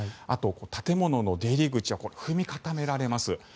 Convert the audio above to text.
あとは建物の出入り口は踏み固められます。